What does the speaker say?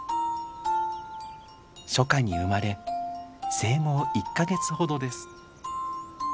初夏に生まれ生後１か月ほどです。